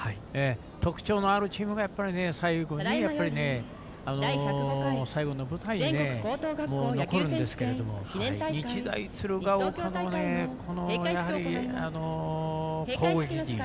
特徴のあるチームがやっぱり最後の舞台に残るんですが日大鶴ヶ丘の攻撃陣